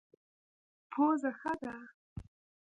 پوزه ښه ده.